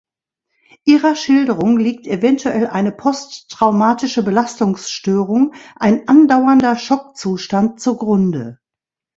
Ihrer Schilderung liegt eventuell eine posttraumatische Belastungsstörung, ein andauernder Schockzustand, zugrunde.